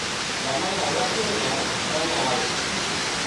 Demà na Blanca i na Nara van a Alp.